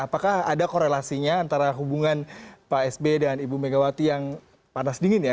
apakah ada korelasinya antara hubungan pak sb dan ibu megawati yang panas dingin ya